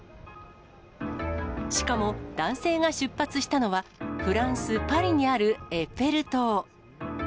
しかも男性が出発したのは、フランス・パリにあるエッフェル塔。